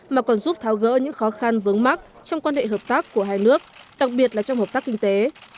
mà còn giúp tháo gỡ những khó khăn vướng mắt trong quan hệ hợp tác của hai nước đặc biệt là trong hợp tác kinh tế